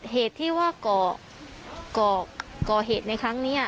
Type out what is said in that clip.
เหตุที่ว่าก่อเหตุในครั้งนี้